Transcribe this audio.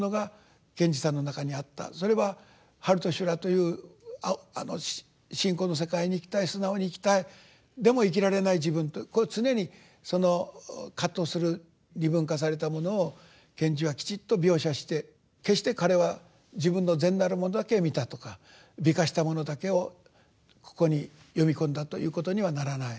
それは「春と修羅」というあの信仰の世界に生きたい素直に生きたいでも生きられない自分とこう常に葛藤する二分化されたものを賢治はきちっと描写して決して彼は自分の善なるものだけ見たとか美化したものだけをここに詠み込んだということにはならない。